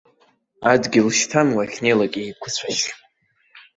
Адгьыл шьҭам уахьнеилак еиқәыцәашь.